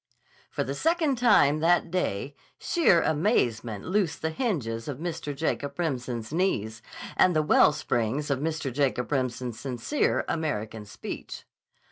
For the second time that day sheer amazement loosed the hinges of Mr. Jacob Remsen's knees, and the wellsprings of Mr. Jacob Remsen's sincere American speech.